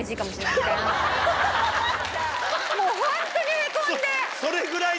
もうホントにヘコんで。